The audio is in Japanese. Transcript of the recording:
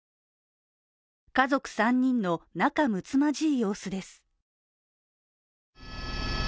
家族３人の仲むつまじい様子です。